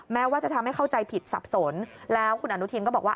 แม้ว่าจะทำให้เข้าใจผิดสับสนแล้วคุณอนุทินก็บอกว่า